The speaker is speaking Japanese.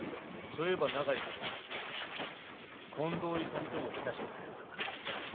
そういえば永井さんは近藤勇とも親しかったようだが。